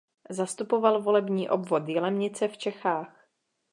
Zastupoval volební obvod Jilemnice v Čechách.